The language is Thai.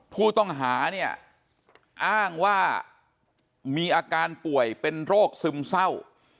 ผู้ต้องหาเนี่ยอ้างว่ามีอาการป่วยเป็นโรคซึมเศร้า